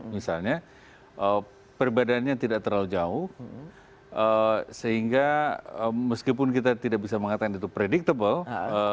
misalnya perbedaannya tidak terlalu jauh sehingga meskipun kita tidak bisa mengatakan itu predictable